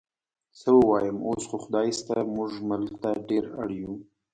څه ووایم، اوس خو خدای شته موږ ملک ته ډېر اړ یو.